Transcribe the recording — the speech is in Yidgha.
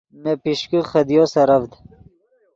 نے پیشکے خدیو سرڤد